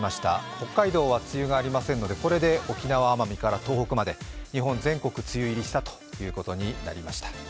北海道は梅雨がありませんのでこれで沖縄・奄美から東北まで日本全国、梅雨入りしたということになりました。